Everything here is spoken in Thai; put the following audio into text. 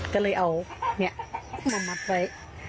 ก็เลยเอาเนี่ยมามัดไว้